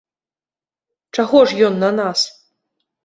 Чаго ж ён на нас?